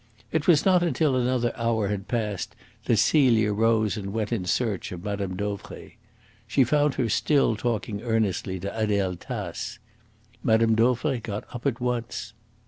It was not until another hour had passed that Celia rose and went in search of Mme. Dauvray. She found her still talking earnestly to Adele Tace. Mme. Dauvray got up at once.